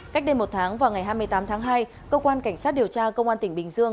cách đây một tháng vào ngày hai mươi tám tháng hai cơ quan cảnh sát điều tra công an tỉnh bình dương